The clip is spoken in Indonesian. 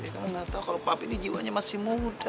kamu gak tau kalau papi ini jiwanya masih muda